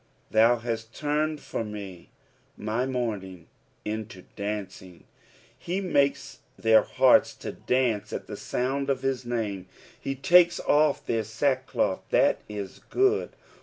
" Thou host turned for ma my mourning into dancing." He makes their hearts to dance at the sonud of his iiam^. He takes oS their sack cloth. That is good.